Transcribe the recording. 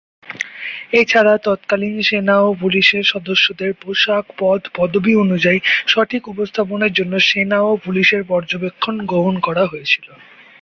এছাড়া, তৎকালীন সেনা ও পুলিশ সদস্যদের পোশাক, পদ, পদবী অনুযায়ী সঠিক উপস্থাপনের জন্য সেনা ও পুলিশের পর্যবেক্ষণ গ্রহণ করা হয়েছিল।